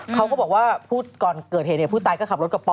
เขาก็บอกว่าก่อนเกิดเหตุผู้ตายก็ขับรถกับปอ